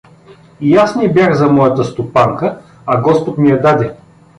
И аз не бях за моята стопанка, а Господ ми я даде“.